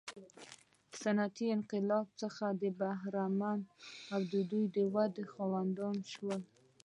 صنعتي انقلاب څخه برخمن او د ودې خاوندان شول.